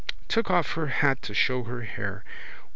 Took off her hat to show her hair.